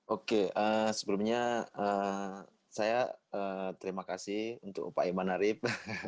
oke sebelumnya saya terima kasih untuk pak iman arief